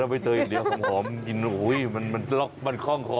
น้ำใบเตยเดียวข้อมอุ๊ยมันคล่องคอ